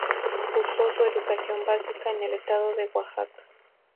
Cursó su educación básica en el estado de Oaxaca.